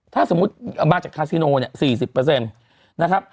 ถ้าสมมุติมาจากคาซิโนเนี่ย๔๐นะครับ